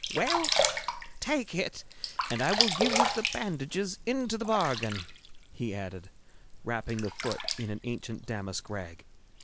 'Well, take it, and I will give you the bandages into the bargain,' he added, wrapping the foot in an ancient damask rag.